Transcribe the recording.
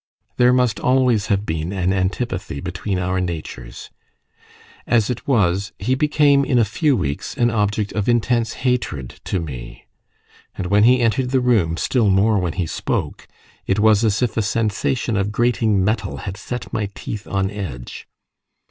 There must always have been an antipathy between our natures. As it was, he became in a few weeks an object of intense hatred to me; and when he entered the room, still more when he spoke, it was as if a sensation of grating metal had set my teeth on edge.